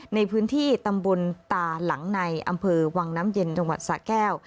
ในพื้นที่ตำบลตาหลังในอำเภอวังน้ำเย็นจังหวัดสะแก้ว